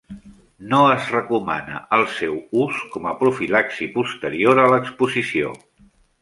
No es recomana el seu ús com a profilaxi posterior a l'exposició.